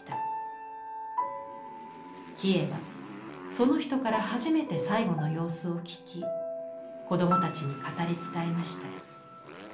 キヱはその人から初めて最期の様子を聞き子供たちに語り伝えました。